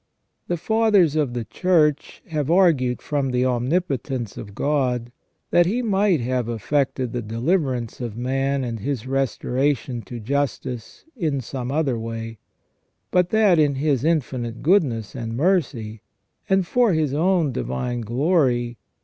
The Fathers of the Church have argued from the omnipotence of God that He might have effected the deliverance of man and his restoration to justice in some other way ; but that in His infinite goodness and mercy, and for His own divine glory.